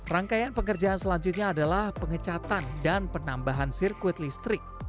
rangkaian pengerjaan selanjutnya adalah pengecatan dan penambahan sirkuit listrik